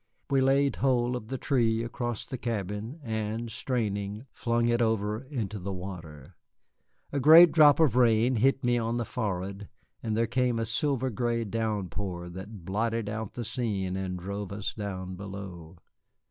We laid hold of the tree across the cabin and, straining, flung it over into the water. A great drop of rain hit me on the forehead, and there came a silver gray downpour that blotted out the scene and drove us down below.